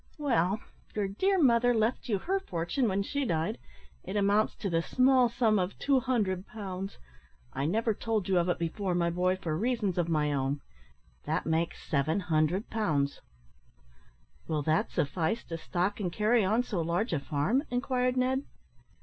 "Well, your dear mother left you her fortune when she died it amounts to the small sum of 200 pounds. I never told you of it before, my boy, for reasons of my own. That makes 700 pounds." "Will that suffice to stock and carry on so large a farm," inquired Ned?